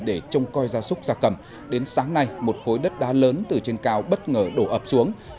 để trông coi gia súc gia cầm đến sáng nay một khối đất đá lớn từ trên cao bất ngờ đổ ập xuống